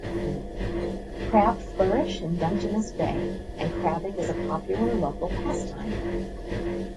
Crab flourish in Dungeness Bay, and crabbing is a popular local pastime.